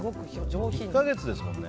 １か月ですもんね。